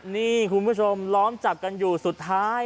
นี่คุณผู้ชมล้อมจับกันอยู่สุดท้าย